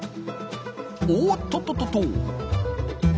おっとっとっとっと。